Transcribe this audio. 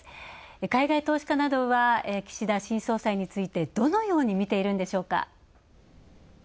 海外投資家などは岸田新総裁についてどのように見ているんでしょうか。